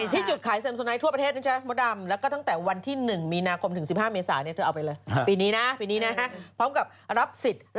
ที่เมื่อกี้ผู้ใหญ่อยู่กับสิทธิ์มาคุณแม่ว่าไม่จำเป็นต้องเป็นเซ็มโซไนท์ก็ได้